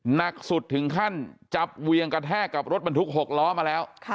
หนักสุดถึงขั้นจับเวียงกระแทกกับรถบรรทุก๖ล้อมาแล้ว